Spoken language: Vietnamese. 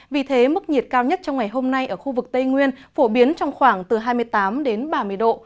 vì thế mức nhiệt cao nhất trong ngày hôm nay ở khu vực tây nguyên phổ biến trong khoảng từ hai mươi tám đến ba mươi độ